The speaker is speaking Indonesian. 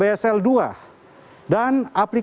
dan aplikasi kecerdasan artifisien